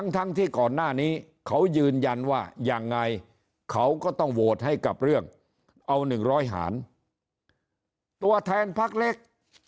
ทั้งที่ก่อนหน้านี้เขายืนยันว่ายังไงเขาก็ต้องโหวตให้กับเรื่องเอา๑๐๐หารตัวแทนพักเล็ก